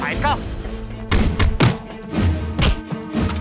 ayo kita bergerak